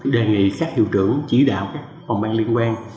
đề nghị các hiệu trưởng chỉ đạo các phòng ban liên quan